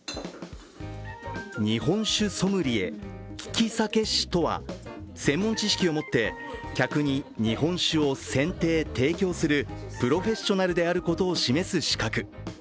日本酒ソムリエ、きき酒師とは専門知識を持って客に日本酒を選定・提供するプロフェッショナルであることを示す資格。